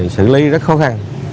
xử lý rất khó khăn